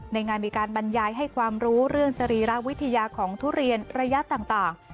ในงานมีการบรรยายให้ความรู้เรื่องสรีระวิทยาของทุเรียนระยะต่าง